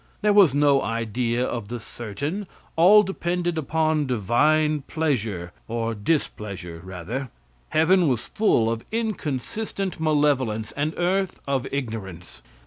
There was no idea of the certain; all depended upon divine pleasure or displeasure, rather; heaven was full of inconsistent malevolence, and earth of ignorance.